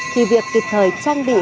thì việc kịp thời trang bị